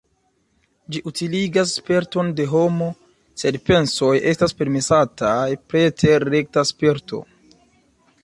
Ĝi utiligas sperton de homo, sed pensoj estas permesataj preter rekta sperto.